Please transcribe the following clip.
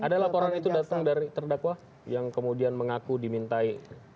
ada laporan itu datang dari terdakwa yang kemudian mengaku dimintai